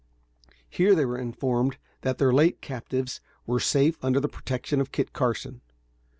Here they were informed that their late captives were safe under the protection of Kit Carson.